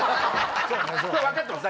それ分かってます